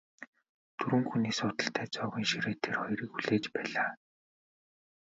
Дөрвөн хүний суудалтай зоогийн ширээ тэр хоёрыг хүлээж байлаа.